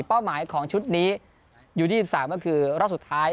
เป้าหมายของชุดนี้อยู่๒๓ก็คือรอบสุดท้าย